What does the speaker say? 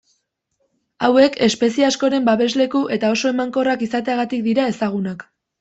Hauek, espezie askoren babesleku eta oso emankorrak izateagatik dira ezagunak.